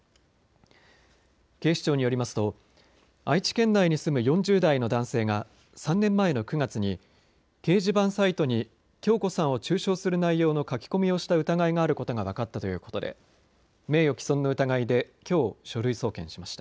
警視庁によりますと愛知県内に住む４０代の男性が３年前の９月に掲示板サイトに響子さんを中傷する内容の書き込みをした疑いがあることが分かったということで名誉毀損の疑いできょう書類送検しました。